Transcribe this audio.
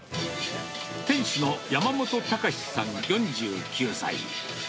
店主の山本崇史さん４９歳。